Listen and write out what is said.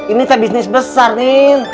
ini teh bisnis besar nen